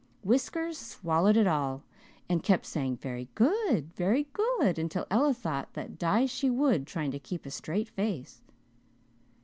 Whiskers swallowed it all, and kept saying 'Very good very good' until Ella thought that die she would trying to keep a straight face.